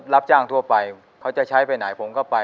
รับจ้างทั่วไปเขาจะใช้ไปไหนผมก็ไป